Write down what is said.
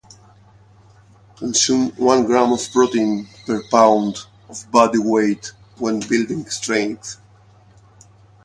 Consume one gram of protein per pound of body weight when building strength